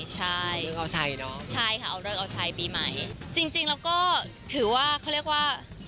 ใช่ใช่ค่ะเอาเรื่องเอาชัยปีใหม่จริงแล้วก็ถือว่าเขาเรียกว่า